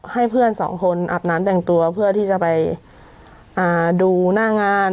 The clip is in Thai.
ให้เพื่อนสองคนอาบน้ำแต่งตัวเพื่อที่จะไปดูหน้างาน